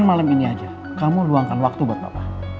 malam ini aja kamu luangkan waktu buat bapak